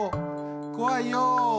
こわいよ！